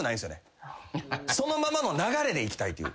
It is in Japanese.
そのままの流れでいきたいという。